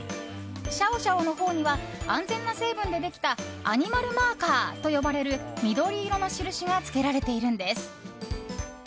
シャオシャオのほうには安全な成分でできたアニマルマーカーと呼ばれる緑色の印がつけられているんです。